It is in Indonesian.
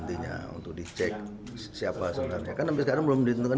ini juga adalah langkah langkah darurat yang benar